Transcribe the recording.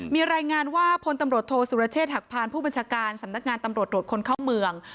มีรายงานว่าพลตำรวจโทษสุรเชษฐหักพานผู้บัญชาการสำนักงานตำรวจตรวจคนเข้าเมือง